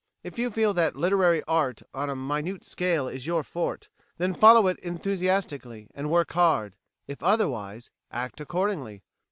If you feel that literary art on a minute scale is your forte, then follow it enthusiastically, and work hard; if otherwise, act accordingly.